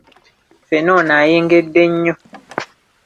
Ffene ono ayengedde nnyo.